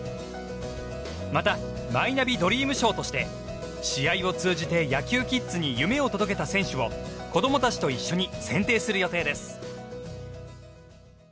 また、マイナビドリーム賞として試合を通じて野球キッズに夢を届けた選手を子供たちと一緒に選定する予定です。